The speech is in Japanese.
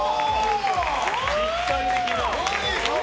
立体的な。